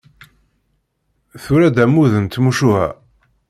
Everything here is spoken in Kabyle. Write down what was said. Tura-d ammud n tmucuha.